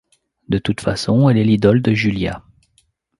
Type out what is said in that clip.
De toute façon, elle est l'idole de Julia.